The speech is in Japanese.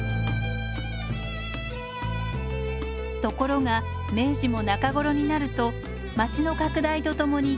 ところが明治も中頃になると街の拡大とともに禁伐令は緩み